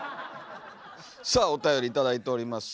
さあおたより頂いております。